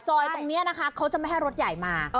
ซอยตรงนี้นะคะเขาจะไม่ให้รถใหญ่มา